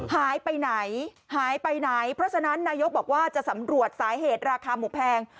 หายไปไหนหายไปไหนเพราะฉะนั้นนายกบอกว่าจะสำรวจสาเหตุราคาหมูแพง